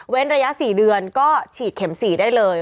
ระยะ๔เดือนก็ฉีดเข็ม๔ได้เลย